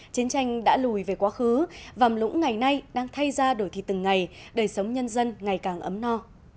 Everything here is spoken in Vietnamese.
chiến tranh đã lùi về quá khứ vàm lũng ngày nay đang thay ra đổi thịt từng ngày đời sống nhân dân ngày càng ấm no